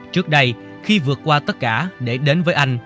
trước đây khi vượt qua tất cả để đến với anh